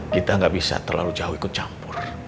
kita nggak bisa terlalu jauh ikut campur